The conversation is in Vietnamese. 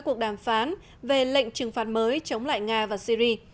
cuộc đàm phán về lệnh trừng phạt mới chống lại nga và syri